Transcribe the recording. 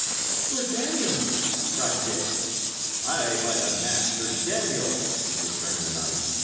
"Sir Daniel!" cried Dick. "Ay, by the mass, Sir Daniel!" returned the knight.